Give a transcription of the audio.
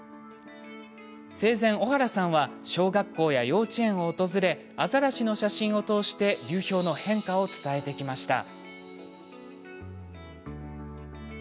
生前、小原さんは小学校や幼稚園を訪れアザラシの写真を通して流氷の変化を伝えてきました。